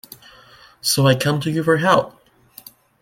So I come to you for help.